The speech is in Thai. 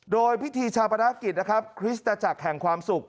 โดยพิธีชาปนกิจนะครับคริสตจักรแห่งความสุข